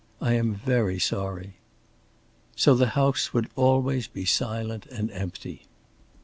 I am very sorry." So the house would always be silent and empty.